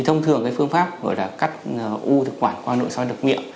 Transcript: thông thường phương pháp gọi là cắt u thực quản qua nội soi đứng miệng